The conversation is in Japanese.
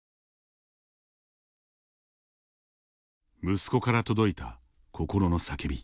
息子から届いた心の叫び。